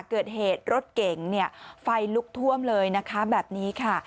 เกิดเหตุรถเก๋งไฟลุกท่วมเลยนะคะแบบนี้ค่ะ